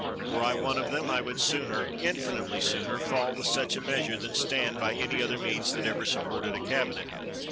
Were I one of them, I would sooner, infinitely sooner, fall with such a measure than stand by any other means that ever sup ported a cabinet.